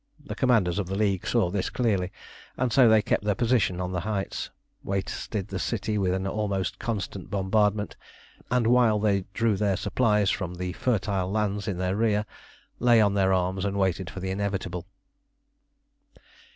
The commanders of the League saw this clearly, and so they kept their position on the heights, wasted the city with an almost constant bombardment, and, while they drew their supplies from the fertile lands in their rear, lay on their arms and waited for the inevitable.